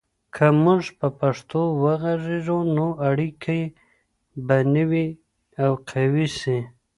که موږ په پښتو وغږیږو، نو اړیکې به نوي او قوي سي.